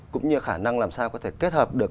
cũng như khả năng làm sao có thể kết hợp được